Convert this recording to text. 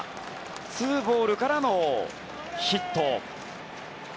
ツーボールからのヒット。